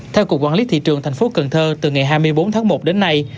theo cục quản lý thị trường tp cnh từ ngày hai mươi bốn tháng một đến nay